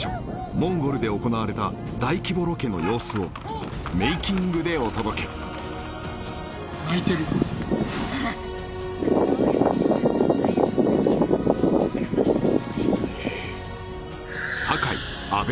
モンゴルで行われた大規模ロケの様子をメイキングでお届けえっ堺阿部